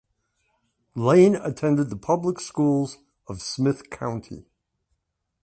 Lane attended the public schools of Smith County.